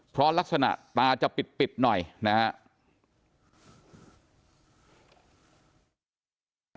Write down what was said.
เพราะลักษณะตาจะปิดหน่อยนะครับ